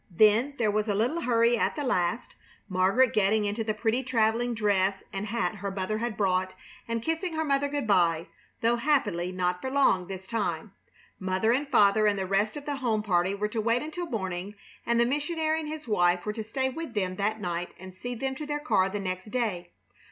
Then there was a little hurry at the last, Margaret getting into the pretty traveling dress and hat her mother had brought, and kissing her mother good by though happily not for long this time. Mother and father and the rest of the home party were to wait until morning, and the missionary and his wife were to stay with them that night and see them to their car the next day.